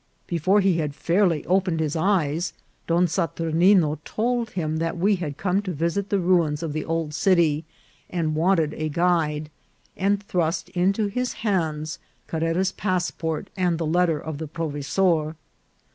Before he had fairly opened his eyes, Don Saturnino told him that we had come to visit the ruins of the old city, and wanted a guide, and thrust into his hands Carrera's passport and the letter of the provesor.